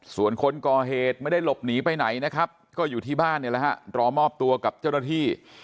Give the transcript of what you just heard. ส่วนคนก่อเหตุไม่ได้หลบหนีไปไหนนะครับก็อยู่ที่บ้านเนี่ยแหละฮะรอมอบตัวกับเจ้าหน้าที่